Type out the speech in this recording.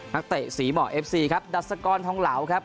นักเตะศรีหมอเอฟซีครับดัชกรทองเหลาครับ